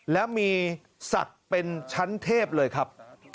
และมีศักดิ์เป็นชั้นเทพเลยครับ